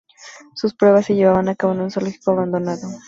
Sus pruebas se llevan a cabo en un zoológico abandonado.